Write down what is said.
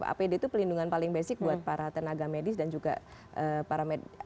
apd itu pelindungan paling basic buat para tenaga medis dan juga para medis